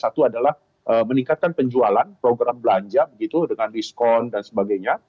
satu adalah meningkatkan penjualan program belanja begitu dengan diskon dan sebagainya